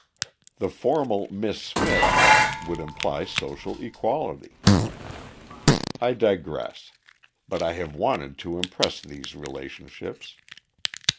The formal "Miss Smith" would imply social equality. I digress: but I have wanted to impress these relationships.